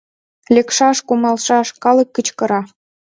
— Лекшаш, кумалшаш! — калык кычкыра.